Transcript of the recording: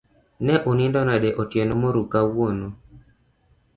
Ne unindo nade otieno moruu kawuono?